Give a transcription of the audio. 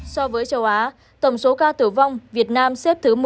so với châu á tổng số ca tử vong việt nam xếp thứ một mươi